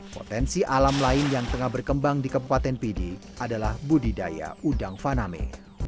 potensi alam lain yang tengah berkembang di kabupaten pidi adalah budidaya udang faname